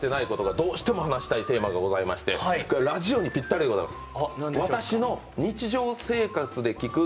まだ話してない、どうしても話したいテーマがございまして、ラジオにぴったりでございます。